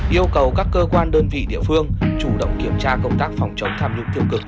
yêu cầu các cơ quan đơn vị địa phương chủ động kiểm tra công tác phòng chống tham nhũng tiêu cực